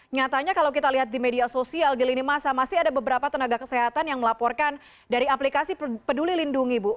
nyatanya kalau kita lihat di media sosial di lini masa masih ada beberapa tenaga kesehatan yang melaporkan dari aplikasi peduli lindungi bu